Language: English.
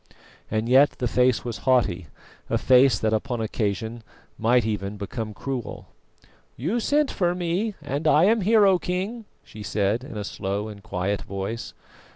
And yet the face was haughty, a face that upon occasion might even become cruel. "You sent for me and I am here, O King," she said, in a slow and quiet voice.